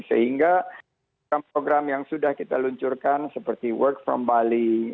sehingga program program yang sudah kita luncurkan seperti work from bali